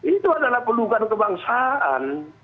itu adalah pelukan kebangsaan